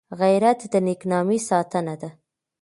غیرت د نېک نامۍ ساتنه ده